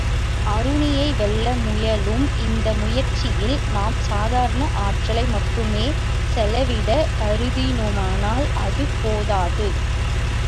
ஆருணியை வெல்ல முயலும் இந்த முயற்சியில் நாம் சாதாரண ஆற்றலை மட்டுமே செலவிடக் கருதினோமானால் அது போதாது.